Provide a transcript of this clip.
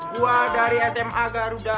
gue dari sma garuda